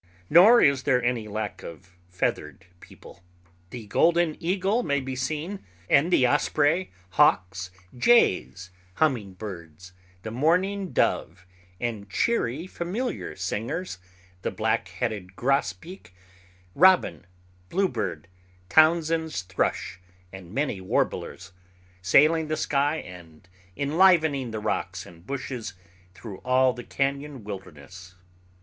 Nor is there any lack of feathered people. The golden eagle may be seen, and the osprey, hawks, jays, hummingbirds, the mourning dove, and cheery familiar singers—the black headed grosbeak, robin, bluebird, Townsend's thrush, and many warblers, sailing the sky and enlivening the rocks and bushes through all the cañon wilderness.